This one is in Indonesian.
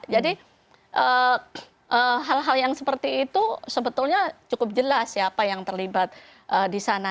jadi hal hal yang seperti itu sebetulnya cukup jelas ya apa yang terlibat disana